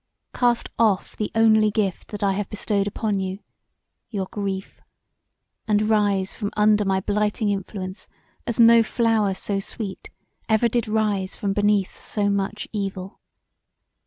Cast off the only gift that I have bestowed upon you, your grief, and rise from under my blighting influence as no flower so sweet ever did rise from beneath so much evil.